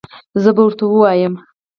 زه به ورته ووایم